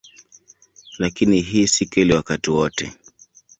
Lakini hii si kweli wakati wote.